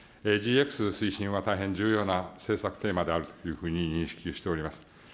ＧＸ推進は大変重要な政策テーマであるというふうに認識しております。